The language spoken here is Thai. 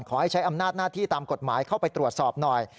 ขอให้ใช้อำนาจหน้าที่ตามกฎหมายเข้าไปตรวจสอบหน่อย